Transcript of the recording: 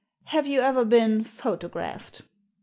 Have you ever been photographed